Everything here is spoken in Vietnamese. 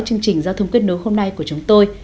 chương trình giao thông kết nối hôm nay của chúng tôi